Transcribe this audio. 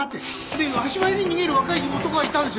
で足早に逃げる若い男がいたんです。